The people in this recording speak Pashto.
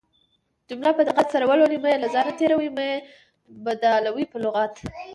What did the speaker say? جمله په دقت سره ولولٸ مه يې له ځانه تيروٸ، مه يې بدالوۍ، مه لغت